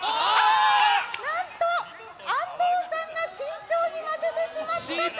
なんと、安藤さんが緊張に負けてしまったか。